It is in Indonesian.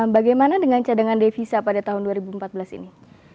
bagaimana dengan cadangan devisa pada tahun dua ribu empat belas ini